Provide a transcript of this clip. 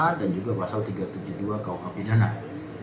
ada pun sangkaan dimana tersangka telah berakhir